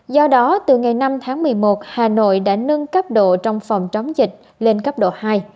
do đó từ ngày năm tháng một mươi một hà nội đã nâng cấp độ trong phòng chống dịch lên cấp độ hai